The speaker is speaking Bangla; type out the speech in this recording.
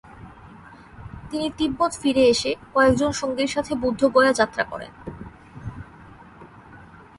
তিনি তিব্বত ফিরে এসে কয়েকজন সঙ্গীর সাথে বুদ্ধ গয়া যাত্রা করেন।